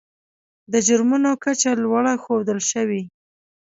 د جرمونو کچه لوړه ښودل شوې.